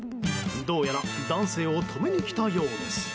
どうやら男性を止めに来たようです。